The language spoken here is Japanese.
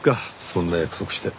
そんな約束して。